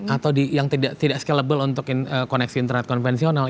atau yang tidak scalable untuk koneksi internet konvensional